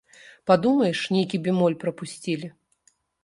Падумаеш, нейкі бемоль прапусцілі.